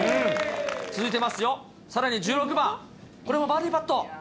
続いてますよ、さらに１６番、これもバーディーパット。